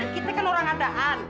kita kan orang adaan